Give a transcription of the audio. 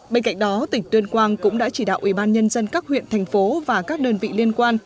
bên cạnh đó tỉnh tuyên quang cũng đã chỉ đạo ubnd các huyện thành phố và các đơn vị liên quan